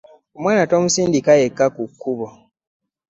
Omwana tomusindika yekka ku kkubo.